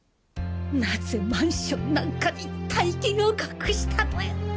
何故マンションなんかに大金を隠したのよ。